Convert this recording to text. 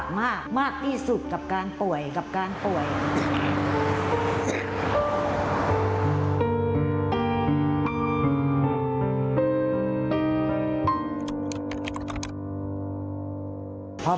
การช่วยแต่คุณยายหมดวีดีออกเพลิน